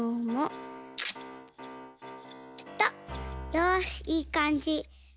よしいいかんじ。